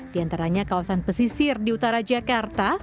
di antaranya kawasan pesisir di utara jakarta